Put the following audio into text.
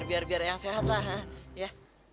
biar biar eang sehat lah iya